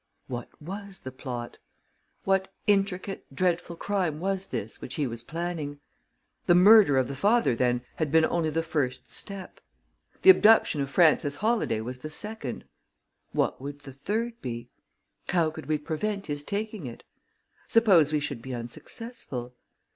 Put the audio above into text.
What was the plot? What intricate, dreadful crime was this which he was planning? The murder of the father, then, had been only the first step. The abduction of Frances Holladay was the second. What would the third be? How could we prevent his taking it? Suppose we should be unsuccessful?